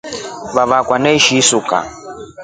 Vavakwa eshi isuka.